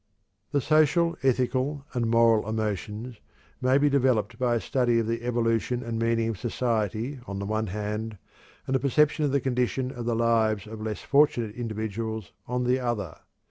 The social, ethical, and moral emotions may be developed by a study of the evolution and meaning of society on the one hand, and the perception of the condition of the lives of less fortunate individuals on the other.